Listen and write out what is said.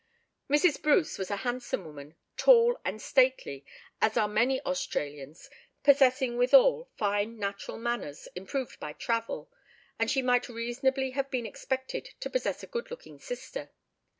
Mrs. Bruce was a handsome woman, tall and stately, as are many Australians, possessing, withal, fine natural manners improved by travel, and she might reasonably have been expected to possess a good looking sister.